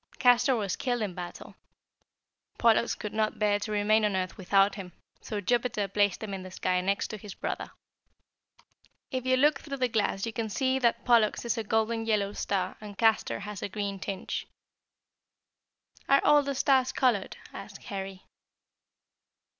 Castor was killed in battle. Pollux could not bear to remain on earth without him, so Jupiter placed him in the sky next to his brother. [Illustration: THE HEAVENLY TWINS, CASTOR AND POLLUX.] "If you look through the glass you can see that Pollux is a golden yellow star and Castor has a green tinge." "Are all the stars colored?" asked Harry.